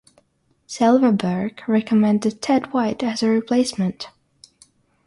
Silverberg recommended Ted White as a replacement.